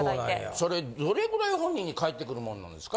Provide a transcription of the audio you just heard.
それどれぐらい本人に返ってくるもんなんですか？